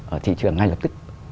ở thị trường ngay lập tức